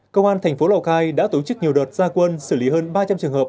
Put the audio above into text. công an thành phố lào cai đã tổ chức nhiều đợt gia quân xử lý hơn ba trăm linh trường hợp